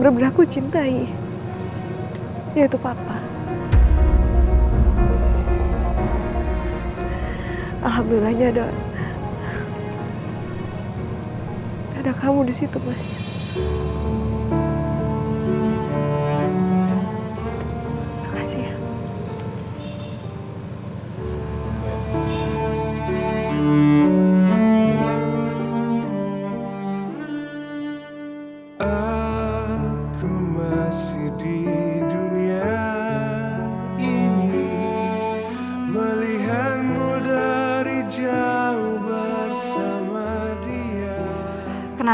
berlaku ini setelah penyelesaian